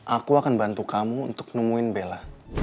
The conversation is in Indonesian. aku akan bantu kamu untuk nemuin bella